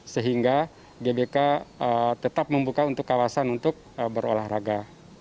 sehingga gbk tetap membuka untuk kawasan untuk berolahraga